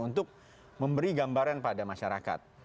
untuk memberi gambaran pada masyarakat